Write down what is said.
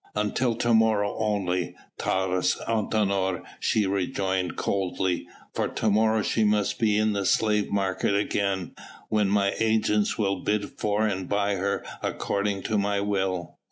"Until to morrow only, Taurus Antinor," she rejoined coldly, "for to morrow she must be in the slave market again, when my agents will bid for and buy her according to my will."